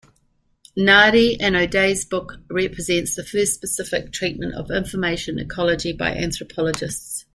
Nardi and O'Day's book represents the first specific treatment of information ecology by anthropologists.